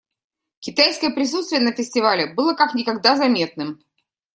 Китайское присутствие на фестивале было как никогда заметным.